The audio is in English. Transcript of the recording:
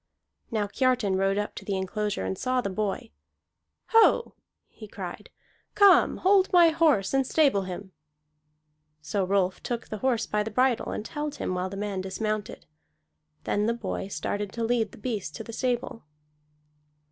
Now Kiartan rode up to the enclosure and saw the boy. "Ho!" he cried, "come hold my horse and stable him." So Rolf took the horse by the bridle and held him while the man dismounted. Then the boy started to lead the beast to the stable.